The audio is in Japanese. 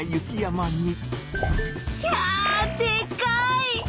ひゃでかい！